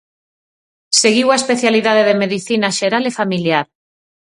Seguiu a especialidade de Medicina Xeral e Familiar.